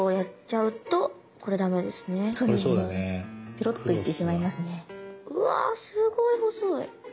うわすごい細い。